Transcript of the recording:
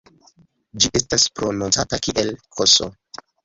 Ĝi estas prononcata kiel "ks".